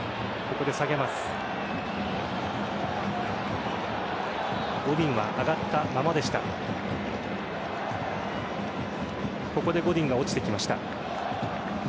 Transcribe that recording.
ここでゴディンが落ちてきました。